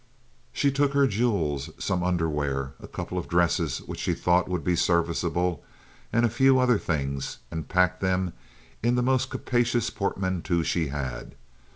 She took her jewels, some underwear, a couple of dresses which she thought would be serviceable, and a few other things, and packed them in the most capacious portmanteau she had.